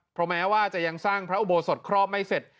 เพราะแม้ว่าจะยังสร้างพระอุโบสถครอบไม่เสร็จ